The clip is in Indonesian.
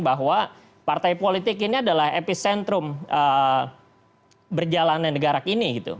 bahwa partai politik ini adalah epicentrum berjalannya negara ini gitu